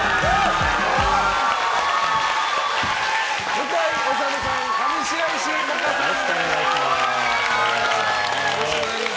向井理さん、上白石萌音です！